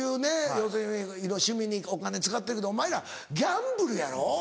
要するに趣味にお金使ってるけどお前らギャンブルやろ？